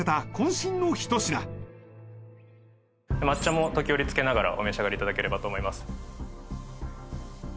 身のひと品抹茶も時折つけながらお召し上がりいただければと思います